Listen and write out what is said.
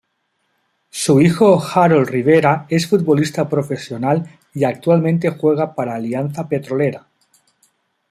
Su hijo Harold Rivera es futbolista profesional y actualmente juega para Alianza Petrolera.